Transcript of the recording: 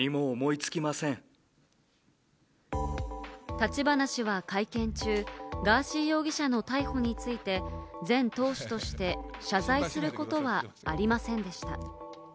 立花氏は会見中、ガーシー容疑者の逮捕について、前党首として謝罪することはありませんでした。